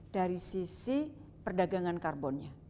dari sisi perdagangan karbonnya